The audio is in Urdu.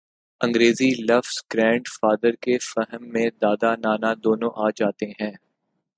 انگریزی لفظ گرینڈ فادر کے فہم میں دادا، نانا دونوں آ جاتے ہیں۔